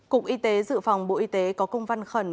cục y tế dự phòng bộ y tế có công văn khẩn